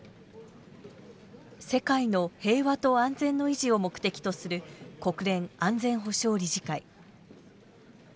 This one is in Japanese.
世界の平和と安全の維持を目的とする国連安全保障理事会。